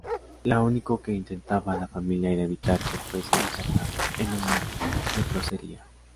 La único que intentaba la familia era evitar que fuese internado en una leprosería.